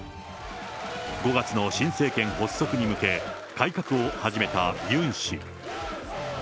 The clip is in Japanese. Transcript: ５月の新政権発足に向け、改革を始めたユン氏。